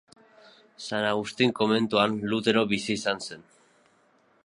San Agustin komentuan Lutero bizi izan zen.